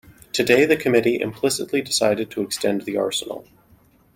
Today the committee implicitly decided to extend the arsenal.